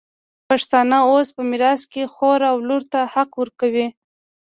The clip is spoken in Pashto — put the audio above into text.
پښتانه اوس په میراث کي خور او لور ته حق ورکوي.